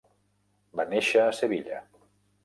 Va néixer a Sevilla.